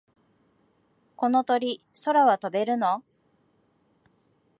この鳥、空は飛べるの？